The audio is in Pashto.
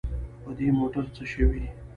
په دې موټر څه شوي.